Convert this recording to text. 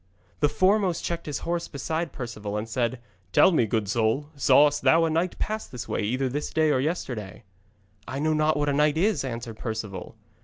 The foremost checked his horse beside Perceval, and said: 'Tell me, good soul, sawest thou a knight pass this way either this day or yesterday?' 'I know not what a knight is,' answered Perceval.